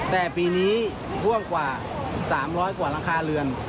แต่ปีนี้ท่วมกว่า๓๐๐กว่าหลังคาเรือน